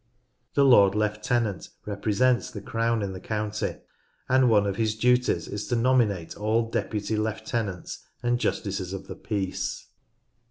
The Lord Lieutenant represents the Crown in the county, and one of his duties is to nominate all Deputy Lieutenants and Justices of the Peace.